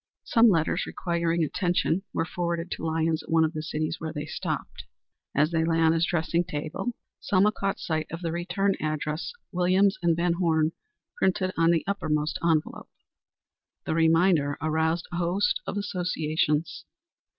Some letters requiring attention were forwarded to Lyons at one of the cities where they stopped. As they lay on his dressing table Selma caught sight of the return address, Williams & Van Horne, printed on the uppermost envelope. The reminder aroused a host of associations.